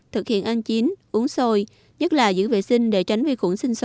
thực hiện ăn chín uống sôi nhất là giữ vệ sinh để tránh vi khuẩn